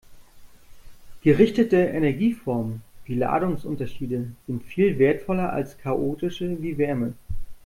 Gerichtete Energieformen wie Ladungsunterschiede sind viel wertvoller als chaotische wie Wärme.